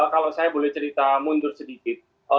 kalau saya boleh cerita mundur sedikit